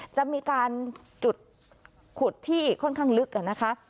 จะมีการจุดขุดที่ค่อนข้างลึกนะคะ